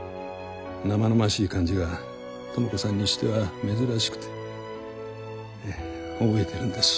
生々しい感じが知子さんにしては珍しくてええ覚えてるんです。